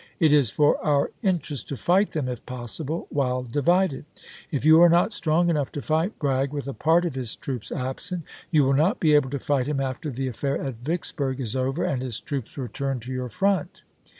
It is for our in terest to fight them, if possible, while divided. If you are not strong enough to fight Bragg with a part of his troops absent, you will not be able to fight him after the affair at Vicksburg is over, and his troops return to your front."